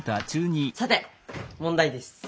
さて問題です！